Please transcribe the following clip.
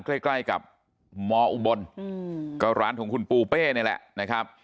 ใกล้ใกล้กับมอุบลก็ร้านของคุณปูเป้นี่แหละนะครับ